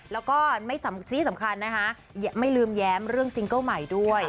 แล้วก็ที่สำคัญนะคะไม่ลืมแย้มเรื่องซิงเกิ้ลใหม่ด้วย